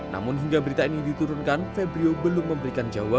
namun hingga berita ini diturunkan febrio belum memberikan jawaban